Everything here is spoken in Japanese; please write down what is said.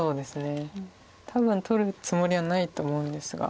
多分取るつもりはないと思うんですが。